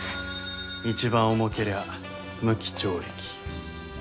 一番重けりゃ無期懲役。